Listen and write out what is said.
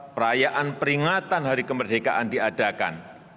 perayaan peringatan hari kemerdekaan diadakan